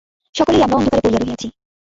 সকলেই আমরা অন্ধকারে পড়িয়া রহিয়াছি।